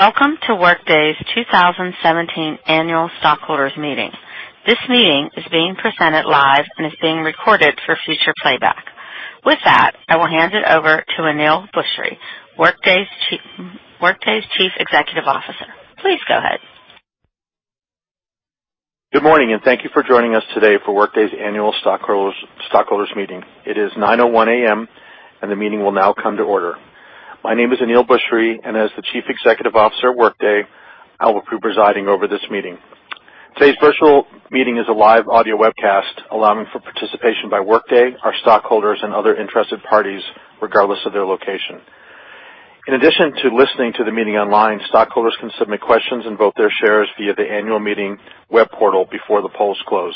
Welcome to Workday's 2017 Annual Meeting of Stockholders. This meeting is being presented live and is being recorded for future playback. With that, I will hand it over to Aneel Bhusri, Workday's Chief Executive Officer. Please go ahead. Good morning, and thank you for joining us today for Workday's Annual Meeting of Stockholders. It is 9:01 A.M., and the meeting will now come to order. My name is Aneel Bhusri, and as the Chief Executive Officer at Workday, I will be presiding over this meeting. Today's virtual meeting is a live audio webcast allowing for participation by Workday, our stockholders, and other interested parties, regardless of their location. In addition to listening to the meeting online, stockholders can submit questions and vote their shares via the annual meeting web portal before the polls close.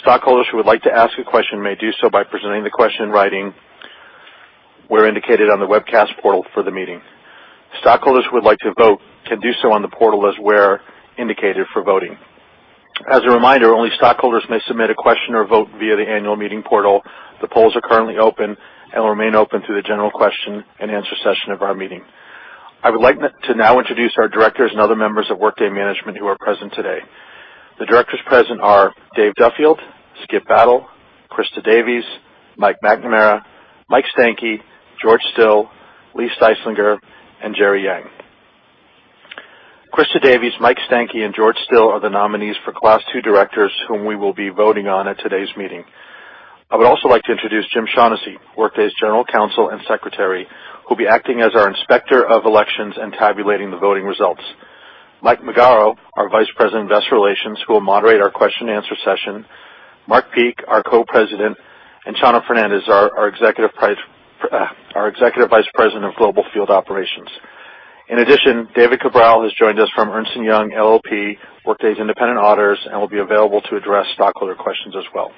Stockholders who would like to ask a question may do so by presenting the question in writing where indicated on the webcast portal for the meeting. Stockholders who would like to vote can do so on the portal as where indicated for voting. As a reminder, only stockholders may submit a question or vote via the annual meeting portal. The polls are currently open and will remain open through the general question-and-answer session of our meeting. I would like to now introduce our directors and other members of Workday management who are present today. The directors present are Dave Duffield, Skip Battle, Christa Davies, Mike McNamara, Mike Stankey, George Still, Lee Styslinger, and Jerry Yang. Christa Davies, Mike Stankey, and George Still are the nominees for Class II directors whom we will be voting on at today's meeting. I would also like to introduce Jim Shaughnessy, Workday's General Counsel and Secretary, who'll be acting as our inspector of elections and tabulating the voting results. Mike Magaro, our Vice President of Investor Relations, who will moderate our question-and-answer session. Mark Peek, our Co-President, and Chano Fernandez, our Executive Vice President, Global Field Operations. In addition, David Cabral has joined us from Ernst & Young LLP, Workday's independent auditors, and will be available to address stockholder questions as well.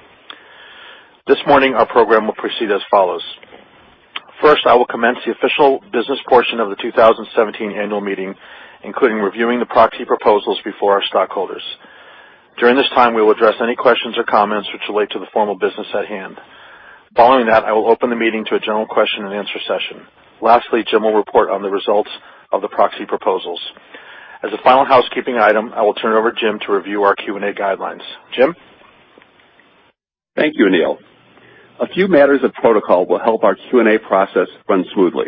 This morning, our program will proceed as follows. First, I will commence the official business portion of the 2017 Annual Meeting, including reviewing the proxy proposals before our stockholders. During this time, we will address any questions or comments which relate to the formal business at hand. Following that, I will open the meeting to a general question-and-answer session. Lastly, Jim will report on the results of the proxy proposals. As a final housekeeping item, I will turn it over to Jim to review our Q&A guidelines. Jim? Thank you, Aneel. A few matters of protocol will help our Q&A process run smoothly.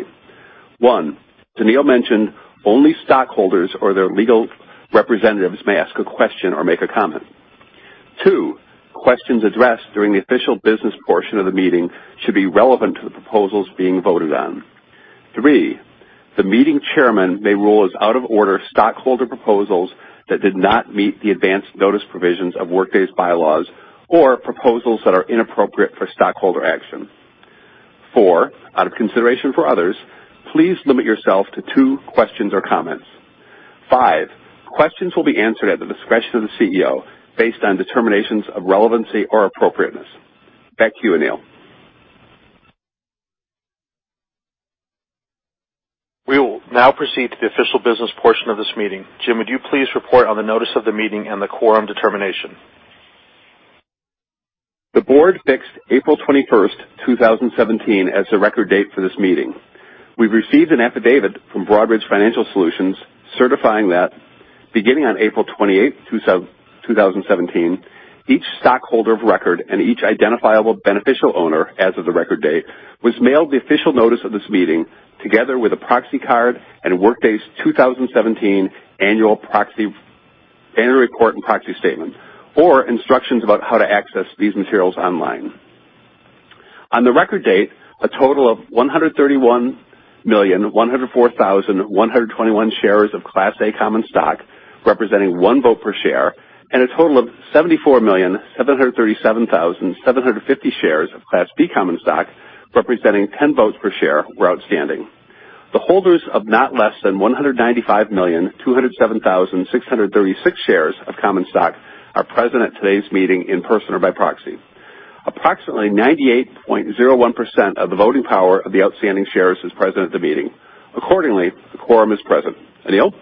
One, as Aneel mentioned, only stockholders or their legal representatives may ask a question or make a comment. Two, questions addressed during the official business portion of the meeting should be relevant to the proposals being voted on. Three, the meeting chairman may rule as out of order stockholder proposals that did not meet the advance notice provisions of Workday's bylaws or proposals that are inappropriate for stockholder action. Four, out of consideration for others, please limit yourself to two questions or comments. Five, questions will be answered at the discretion of the CEO based on determinations of relevancy or appropriateness. Back to you, Aneel. We will now proceed to the official business portion of this meeting. Jim, would you please report on the notice of the meeting and the quorum determination? The board fixed April 21st, 2017, as the record date for this meeting. We've received an affidavit from Broadridge Financial Solutions certifying that beginning on April 28th, 2017, each stockholder of record and each identifiable beneficial owner as of the record date was mailed the official notice of this meeting, together with a proxy card and Workday's 2017 annual report and proxy statement or instructions about how to access these materials online. On the record date, a total of 131,104,121 shares of Class A common stock, representing one vote per share, and a total of 74,737,750 shares of Class B common stock, representing 10 votes per share, were outstanding. The holders of not less than 195,207,636 shares of common stock are present at today's meeting in person or by proxy. Approximately 98.01% of the voting power of the outstanding shares is present at the meeting. Accordingly, the quorum is present. Aneel?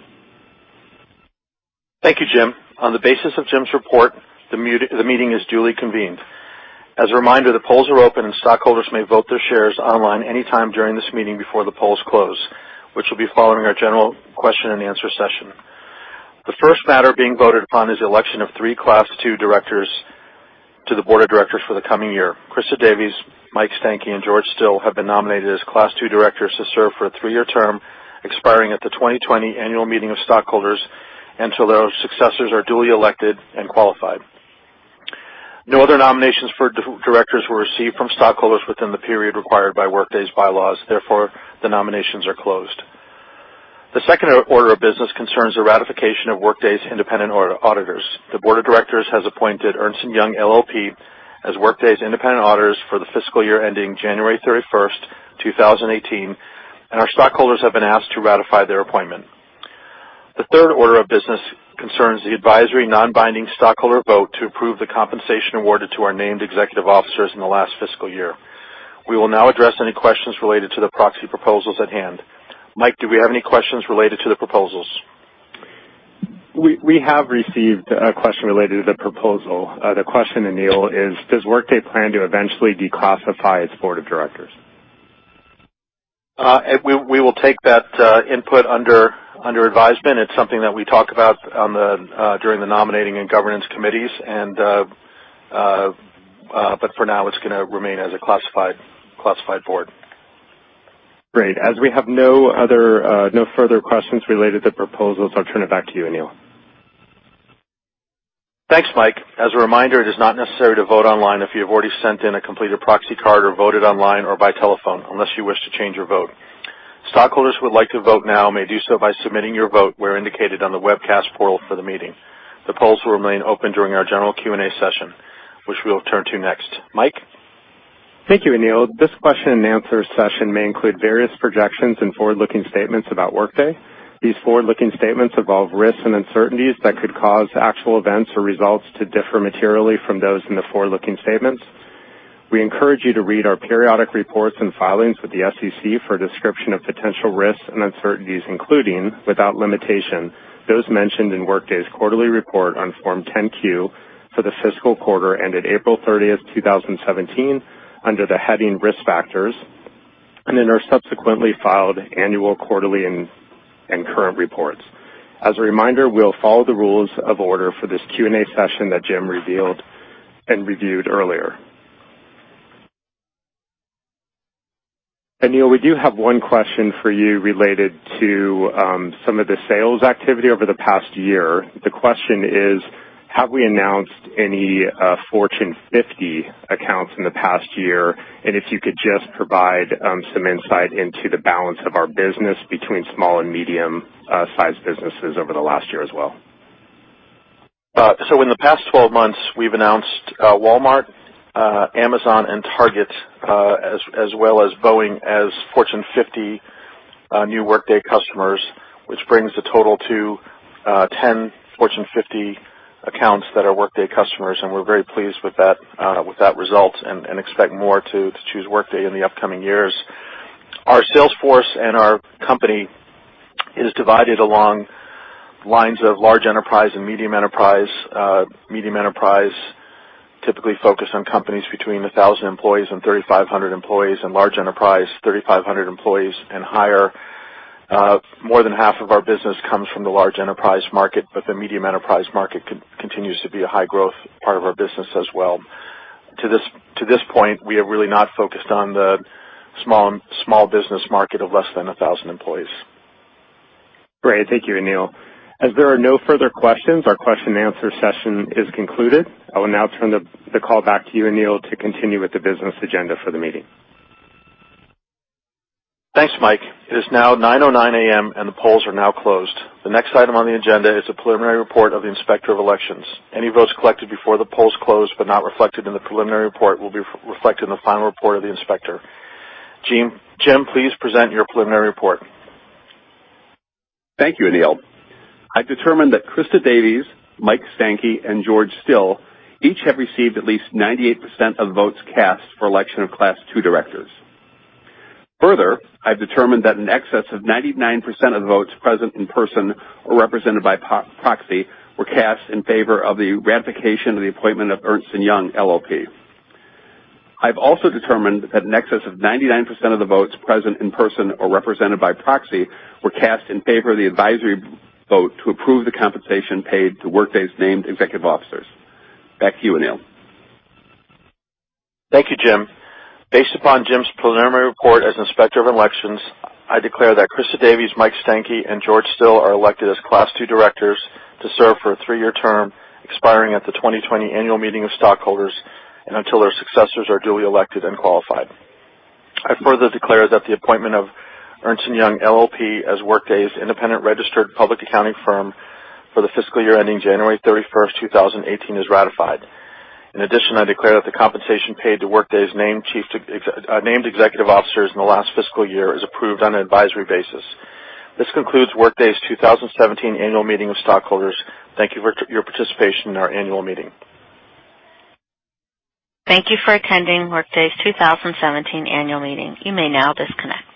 Thank you, Jim. On the basis of Jim's report, the meeting is duly convened. As a reminder, the polls are open, and stockholders may vote their shares online anytime during this meeting before the polls close, which will be following our general question-and-answer session. The first matter being voted upon is the election of three Class II directors to the board of directors for the coming year. Christa Davies, Michael Stankey, and George Still have been nominated as Class II directors to serve for a three-year term expiring at the 2020 annual meeting of stockholders until their successors are duly elected and qualified. No other nominations for directors were received from stockholders within the period required by Workday's bylaws. Therefore, the nominations are closed. The second order of business concerns the ratification of Workday's independent auditors. The board of directors has appointed Ernst & Young LLP as Workday's independent auditors for the fiscal year ending January 31st, 2018, and our stockholders have been asked to ratify their appointment. The third order of business concerns the advisory non-binding stockholder vote to approve the compensation awarded to our named executive officers in the last fiscal year. We will now address any questions related to the proxy proposals at hand. Mike, do we have any questions related to the proposals? We have received a question related to the proposal. The question, Aneel, is, does Workday plan to eventually declassify its board of directors? We will take that input under advisement. It's something that we talk about during the nominating and governance committees. For now, it's going to remain as a classified board. Great. As we have no further questions related to proposals, I'll turn it back to you, Aneel. Thanks, Mike. As a reminder, it is not necessary to vote online if you have already sent in a completed proxy card or voted online or by telephone unless you wish to change your vote. Stockholders who would like to vote now may do so by submitting your vote where indicated on the webcast portal for the meeting. The polls will remain open during our general Q&A session, which we will turn to next. Mike? Thank you, Aneel. This question-and-answer session may include various projections and forward-looking statements about Workday. These forward-looking statements involve risks and uncertainties that could cause actual events or results to differ materially from those in the forward-looking statements. We encourage you to read our periodic reports and filings with the SEC for a description of potential risks and uncertainties, including, without limitation, those mentioned in Workday's quarterly report on Form 10-Q for the fiscal quarter ended April 30th, 2017, under the heading Risk Factors, and in our subsequently filed annual, quarterly, and current reports. As a reminder, we will follow the rules of order for this Q&A session that Jim revealed and reviewed earlier. Aneel, we do have one question for you related to some of the sales activity over the past year. The question is, have we announced any Fortune 50 accounts in the past year? If you could just provide some insight into the balance of our business between small and medium-sized businesses over the last year as well. In the past 12 months, we have announced Walmart, Amazon, and Target, as well as Boeing, as Fortune 50 new Workday customers, which brings the total to 10 Fortune 50 accounts that are Workday customers, and we are very pleased with that result and expect more to choose Workday in the upcoming years. Our sales force and our company is divided along lines of large enterprise and medium enterprise. Medium enterprise typically focus on companies between 1,000 employees and 3,500 employees, and large enterprise, 3,500 employees and higher. More than half of our business comes from the large enterprise market, but the medium enterprise market continues to be a high-growth part of our business as well. To this point, we have really not focused on the small business market of less than 1,000 employees. Great. Thank you, Aneel. As there are no further questions, our question-and-answer session is concluded. I will now turn the call back to you, Aneel, to continue with the business agenda for the meeting. Thanks, Mike. It is now 9:09 A.M. The polls are now closed. The next item on the agenda is the preliminary report of the Inspector of Elections. Any votes collected before the polls closed but not reflected in the preliminary report will be reflected in the final report of the inspector. Jim, please present your preliminary report. Thank you, Aneel. I've determined that Christa Davies, Mike Stankey, and George Still each have received at least 98% of votes cast for election of Class II directors. Further, I've determined that in excess of 99% of the votes present in person or represented by proxy were cast in favor of the ratification of the appointment of Ernst & Young LLP. I've also determined that in excess of 99% of the votes present in person or represented by proxy were cast in favor of the advisory vote to approve the compensation paid to Workday's named executive officers. Back to you, Aneel. Thank you, Jim. Based upon Jim's preliminary report as Inspector of Elections, I declare that Christa Davies, Mike Stankey, and George Still are elected as Class II directors to serve for a three-year term expiring at the 2020 Annual Meeting of Stockholders and until their successors are duly elected and qualified. I further declare that the appointment of Ernst & Young LLP as Workday's independent registered public accounting firm for the fiscal year ending January 31st, 2018, is ratified. In addition, I declare that the compensation paid to Workday's named executive officers in the last fiscal year is approved on an advisory basis. This concludes Workday's 2017 Annual Meeting of Stockholders. Thank you for your participation in our annual meeting. Thank you for attending Workday's 2017 Annual Meeting. You may now disconnect.